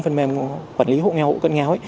phần mềm quản lý hộ nghèo hộ cận nghèo